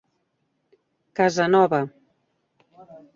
Casanova.